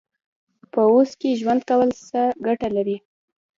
په اوس کې ژوند کول څه ګټه لري؟